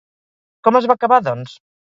Com es va acabar, doncs?